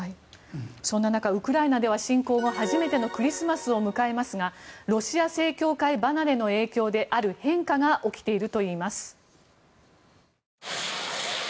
そんな中、ウクライナでは侵攻後初めてのクリスマスを迎えますがロシア正教会離れの影響である変化が起きているといいます。